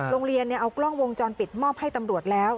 โรงเรียนเอากล้องวงจรปิดมอบให้ตำรวจแล้ว